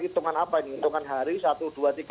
itungan apa ini itungan hari satu dua tiga